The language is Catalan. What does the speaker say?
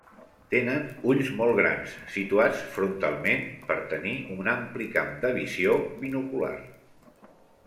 Tenen ulls molt grans situats frontalment, per tenir un ampli camp de visió binocular.